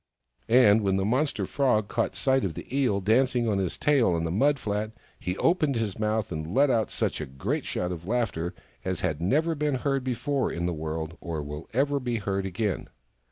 And when the monster Frog caught sight of the Eel dancing on his tail on the mud flat, he opened his mouth and let out such a great shout of laughter as had never been heard before in the world or will ever be heard again.